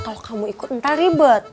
kalau kamu ikut entah ribet